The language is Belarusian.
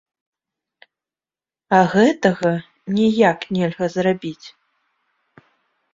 А гэтага ніяк нельга зрабіць.